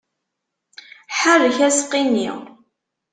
Ḥerrek aseqqi-nni!